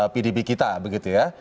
pdb kita begitu ya